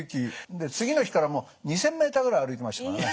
で次の日から２，０００ｍぐらい歩いてましたからね。